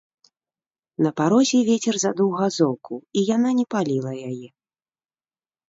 На парозе вецер задуў газоўку, і яна не паліла яе.